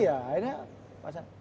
iya akhirnya pasangan